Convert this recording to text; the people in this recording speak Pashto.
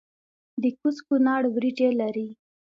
د کوز کونړ وریجې لري